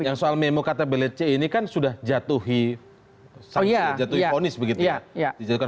yang soal memo kata bilece ini kan sudah jatuhi ponis begitu ya